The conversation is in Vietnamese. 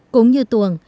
cũng như tuồng